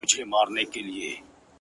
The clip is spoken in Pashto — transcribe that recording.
• یو له بله تبریکۍ سوې اتڼونه ,